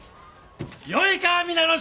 よいか皆の衆！